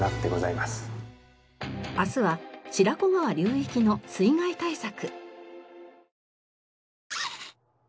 明日は白子川流域の水害対策。